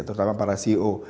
terutama para ceo